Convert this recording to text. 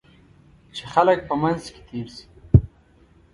چې خلک په منځ کې تېر شي.